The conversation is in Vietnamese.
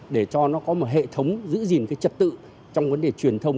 để cho nó có một hệ thống giữ gìn cái trật tự trong vấn đề truyền thông